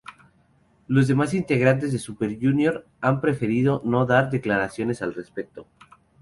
Los demás integrantes de Super Junior han preferido no dar declaraciones al respecto.